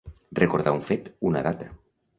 Recordar un fet, una data.